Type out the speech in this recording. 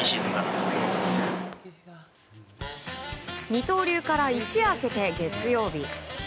二刀流から一夜明けて月曜日。